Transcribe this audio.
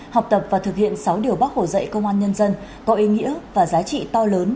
học tập và thực hiện sáu điều bác hồ dạy công an nhân dân có ý nghĩa và giá trị to lớn